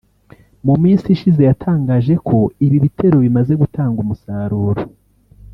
mu minsi ishize yatangaje ko ibi bitero bimaze gutanga umusaruro